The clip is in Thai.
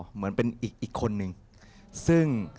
เหมือนเป็นอีกคนนึงซึ่ง